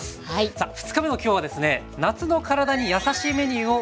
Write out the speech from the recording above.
さあ２日目の今日はですね「夏の体にやさしいメニュー」をお届けします。